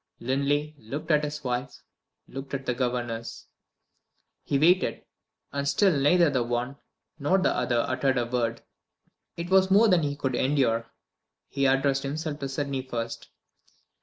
Linley looked at his wife, looked at the governess. He waited and still neither the one nor the other uttered a word. It was more than he could endure. He addressed himself to Sydney first.